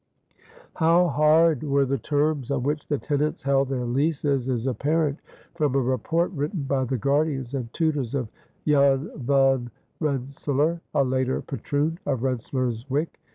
How hard were the terms on which the tenants held their leases is apparent from a report written by the guardians and tutors of Jan Van Rensselaer, a later patroon of Rensselaerswyck.